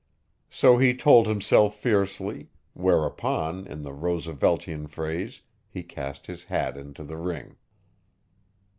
So he told himself fiercely; whereupon, in the Rooseveltian phrase, he cast his hat into the ring.